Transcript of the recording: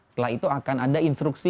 setelah itu akan ada instruksi